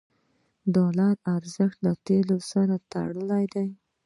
د ډالر ارزښت له تیلو سره تړلی دی.